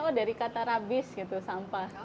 oh dari kata rabis gitu sampah